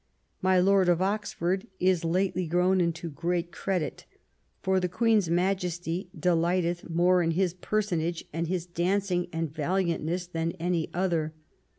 My Lord of Oxford is lately grown into great credit : for the Queen's Majesty delighteth more in his personage, and his dancing, and valiantness, than any other.